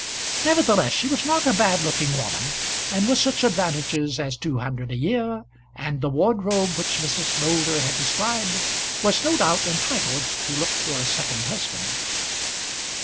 Nevertheless she was not a bad looking woman, and with such advantages as two hundred a year and the wardrobe which Mrs. Moulder had described, was no doubt entitled to look for a second husband.